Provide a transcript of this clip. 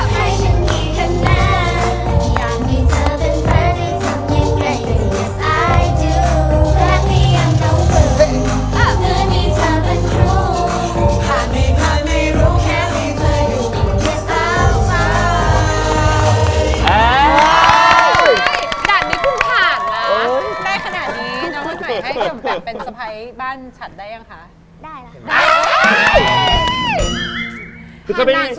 แข่งกับหนูค่ะ